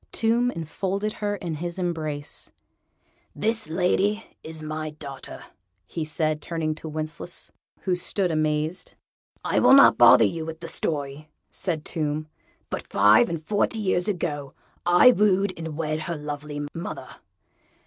Tomb enfolded her in his embrace. "This lady is my daughter," he said, turning to Wencheslaus, who stood amazed. "I will not bother you with the story," said Tomb, "but five and forty years ago I wooed and wed her lovely mother.